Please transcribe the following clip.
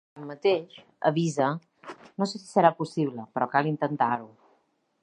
Tanmateix, avisa: ‘No sé si serà possible, però cal intentar-ho’.